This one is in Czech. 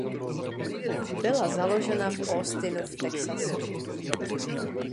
Byla založena v Austinu v Texasu.